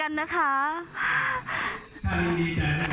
ท่าลิงดีใจด้วยนะคะ